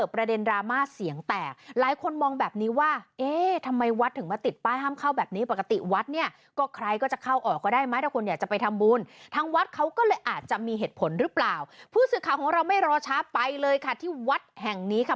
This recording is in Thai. พื้นศึกข่าวของเราไม่รอช้าไปเลยค่ะที่วัดแห่งนี้ค่ะ